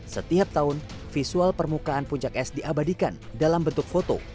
setiap tahun visual permukaan puncak es diabadikan dalam bentuk foto